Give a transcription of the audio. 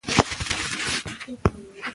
بې تعلیمه میندې ستونزه لري.